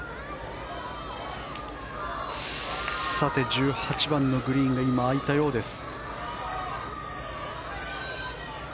１８番のグリーンが今、空いたようです。